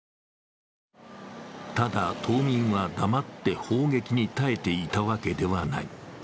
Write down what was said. ただ、島民は黙って砲撃に耐えていたわけではない。